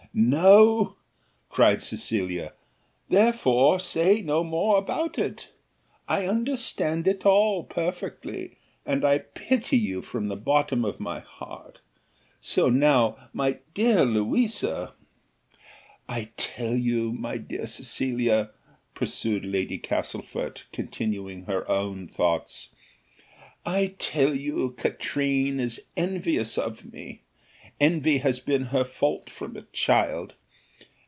"No," cried Cecilia; "therefore say no more about it. I understand it all perfectly, and I pity you from the bottom of my heart, so now, my dear Louisa " "I tell you, my dear Cecilia," pursued Lady Castlefort, continuing her own thoughts, "I tell you, Katrine is envious of me. Envy has been her fault from a child.